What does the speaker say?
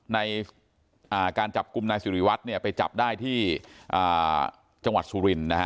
ในการจับกุมนายซีริวัฒน์ไปจับได้ที่จังหวัดสูรินตร์